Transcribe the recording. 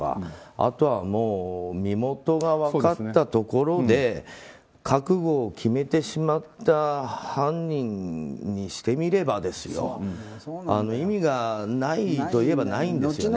あとは、身元が分かったところで覚悟を決めてしまった犯人にしてみれば意味がないといえばないんですよね。